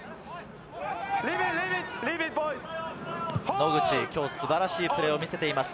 野口は今日、素晴らしいプレーを見せています。